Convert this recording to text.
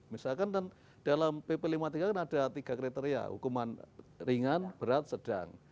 misalkan dan dalam pp lima puluh tiga kan ada tiga kriteria hukuman ringan berat sedang